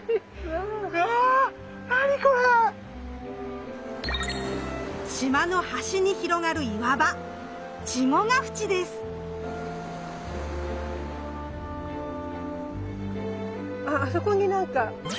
うわ何これ⁉島の端に広がる岩場あそこに何か。